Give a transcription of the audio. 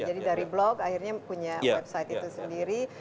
jadi dari blog akhirnya punya website itu sendiri